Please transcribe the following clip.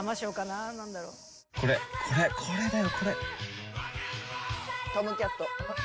これ、これ、これだよ、これ。